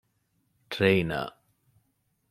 ޓްރެއިނަރ